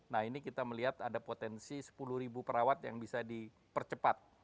nah ini kita melihat ada potensi sepuluh ribu perawat yang bisa dipercepat